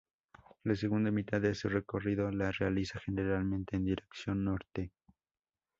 La segunda mitad de su recorrido la realiza generalmente en dirección norte.